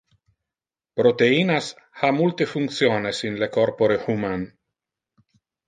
Proteinas ha multe functiones in le corpore human.